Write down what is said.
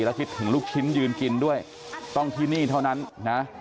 แล้วคิดถึงลูกชิ้นยืนกินด้วยต้องที่นี่เท่านั้นนะ